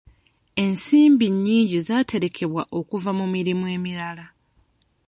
Ensimbi nnyingi zaaterekebwa okuva mu mirimu emirala.